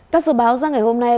các số báo ra ngày hôm nay